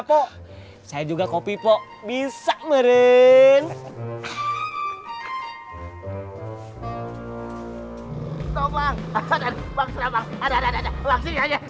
pok saya juga kopi pok bisa merenang